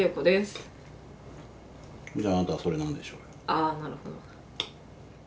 ああなるほど。